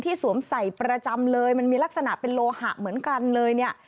สวมใส่ประจำเลยมันมีลักษณะเป็นโลหะเหมือนกันเลยเนี่ย